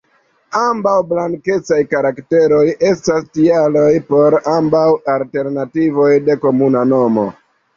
Ambaŭ blankecaj karakteroj estas tialoj por ambaŭ alternativoj de komuna nomo.